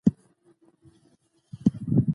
د ټولګي د هوايي جریان او طبیعي رؤڼا لرل!